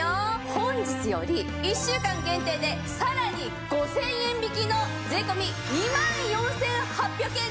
本日より１週間限定でさらに５０００円引きの税込２万４８００円です！